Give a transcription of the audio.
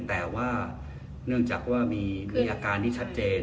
แต่ว่าเนื่องจากว่ามีอาการที่ชัดเจน